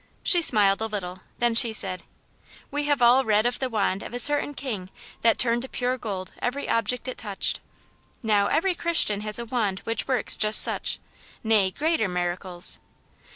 She smiled a little, then she said :" We have all read of the wand of a certain king that turned to pure gold every object it touched. Now, every Christian has a wand which works just such, nay, greater, miracles.